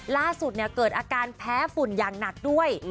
ล่าสุดเกิดอาการแพ้ฝุ่นอย่างหนักด้วย